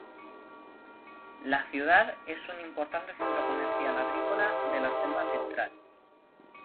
La ciudad en un importante centro comercial agrícola de la selva central.